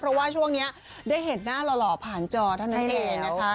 เพราะว่าช่วงนี้ได้เห็นหน้าหล่อผ่านจอเท่านั้นเองนะคะ